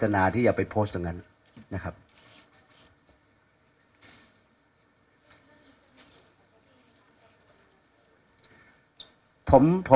แจ้งความโดยสุดแล้วไปแจ้งความโด